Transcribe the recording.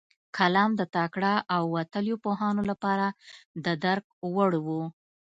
کلام د تکړه او وتلیو پوهانو لپاره د درک وړ و.